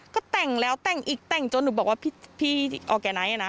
ก็แต่งแล้วแต่งอีกแต่งจนหนูบอกว่าพี่ออร์แกไนท์นะ